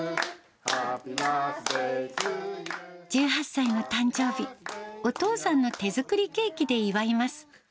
１８歳の誕生日、お父さんの手作りケーキで祝います。